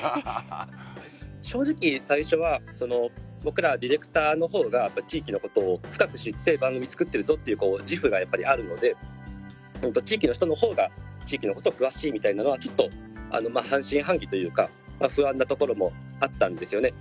正直、最初は僕らディレクターの方が地域のことを深く知って番組、作ってるぞっていう自負がやっぱりあるので地域の人の方が地域のことを詳しいみたいなのはちょっと半信半疑というか不安なところもあったんですよね。